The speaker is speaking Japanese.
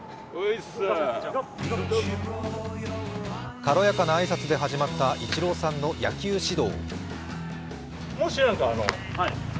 軽やかな挨拶で始まったイチローさんの野球指導。